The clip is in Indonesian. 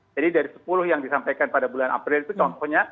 jadi dari sepuluh yang disampaikan pada bulan april itu contohnya